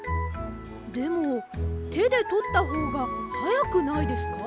でもてでとったほうがはやくないですか？